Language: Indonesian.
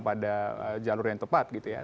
pada jalur yang tepat